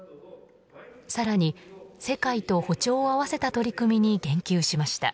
更に、世界と歩調を合わせた取り組みに言及しました。